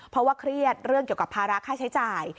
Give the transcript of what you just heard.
เพราะว่าเครียดเรื่องเกี่ยวกับภาระค่าใช้จ่าย